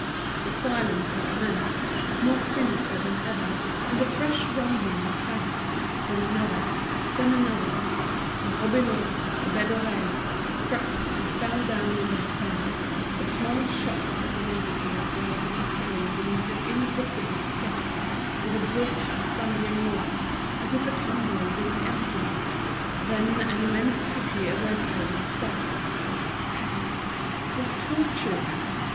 The silence recommenced, more sinister than ever, and a fresh rumbling was heard, then another, then another; the Robineaus, the Bédorés, the Vanpouilles, cracked and fell down in their turn, the small shops of the neighborhood were disappearing beneath an invisible pick, with a brusque, thundering noise, as of a tumbrel being emptied. Then an immense pity awoke her with a start. Heavens! what tortures!